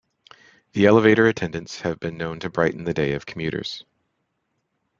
The elevator attendants have been known to brighten the day of commuters.